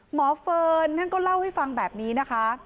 เฟิร์นท่านก็เล่าให้ฟังแบบนี้นะคะ